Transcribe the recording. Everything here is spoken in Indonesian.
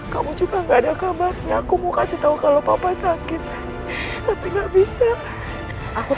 kamu juga nggak ada kabarnya aku mau kasih tahu kalau papa sakit tapi gak bisa aku